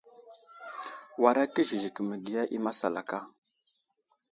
Wara kəziziki məgiya i masalaka.